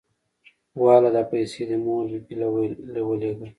واله دا پيسې دې مور بي بي له ولېګه.